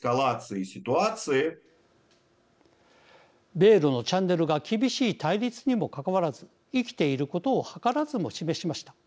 米ロのチャンネルが厳しい対立にもかかわらずいきていることを図らずも示しました。